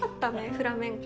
フラメンコ。